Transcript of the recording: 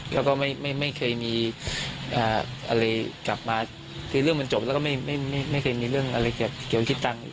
แล้วก็ไม่เคยมีอะไรกลับมาคือเรื่องมันจบแล้วก็ไม่เคยมีเรื่องอะไรเกี่ยวคิดตังค์